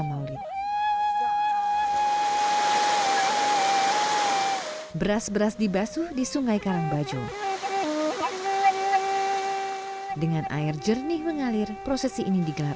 maulid beras beras dibasu di sungai karangbajo dengan air jernih mengalir prosesi ini digelar